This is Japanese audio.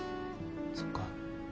そっか。